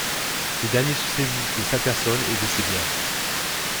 Ces derniers se saisissent de sa personne et de ses biens.